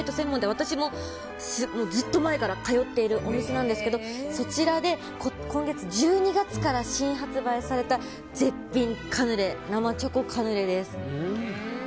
私もずっと前から通っているお店なんですけどそちらで今月１２月から新発売された絶品生チョコカヌレです。